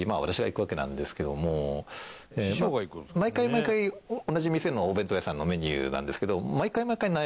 毎回毎回同じ店のお弁当屋さんのメニューなんですけど。